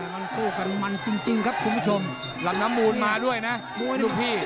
มันสู้กันมันจริงครับคุณผู้ชมลำน้ำมูลมาด้วยนะมวยลูกพี่